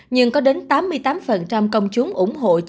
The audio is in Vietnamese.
nhưng có đến tám mươi tám công chúng ủng hộ chính phủ